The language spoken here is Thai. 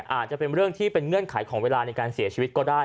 อาจจะเป็นเรื่องที่เป็นเงื่อนไขของเวลาในการเสียชีวิตก็ได้